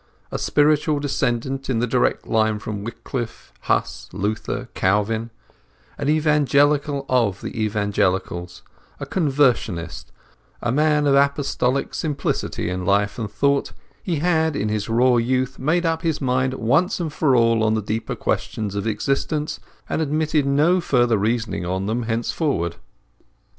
A spiritual descendant in the direct line from Wycliff, Huss, Luther, Calvin; an Evangelical of the Evangelicals, a Conversionist, a man of Apostolic simplicity in life and thought, he had in his raw youth made up his mind once for all in the deeper questions of existence, and admitted no further reasoning on them thenceforward.